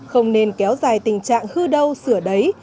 không nên kéo dài tình trạng hư đau sửa đáy